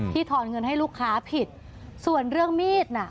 ทอนเงินให้ลูกค้าผิดส่วนเรื่องมีดน่ะ